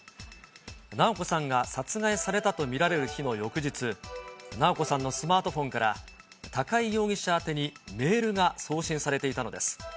直子さんが殺害されたと見られる日の翌日、直子さんのスマートフォンから高井容疑者宛てにメールが送信されていたのです。